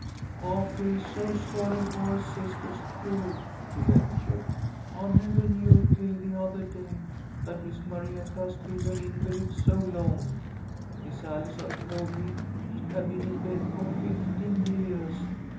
"I feel so sorry for her sistahs, too," she ventured. "I nevah knew till the othah day that Miss Marietta has been an invalid so long. Miss Allison told me she had been in bed for fifteen yeahs!